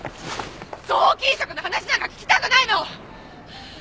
臓器移植の話なんか聞きたくないの！